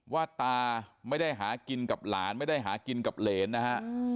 ว่าตาไม่ได้หากินกับหลานไม่ได้หากินกับเหรนนะฮะ